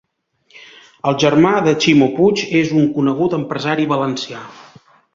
El germà de Ximo Puig és un conegut empresari valencià